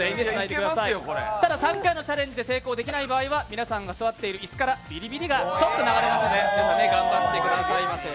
ただ３回のチャレンジで成功できない場合は皆さんが座っている椅子からビリビリが流れますから頑張ってください。